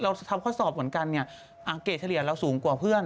ทำข้อสอบเหมือนกันเนี่ยเกรดเฉลี่ยเราสูงกว่าเพื่อน